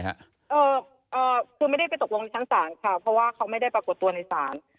เอ่อคือไม่ได้ไปตกลงในชั้นศาลค่ะเพราะว่าเขาไม่ได้ปรากฏตัวในศาล